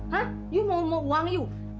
hah yuk mau mau uang yuk